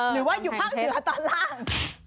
หรือว่าอยู่ภาคเหนือตอนล่าง